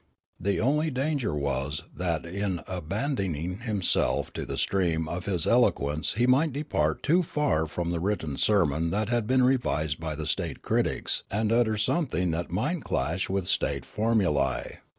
The only danger was that in abandoning himself to the stream of his eloquence he might depart too far from the written sermon that had been revised by the state critics and utter something that might clash with state formulae.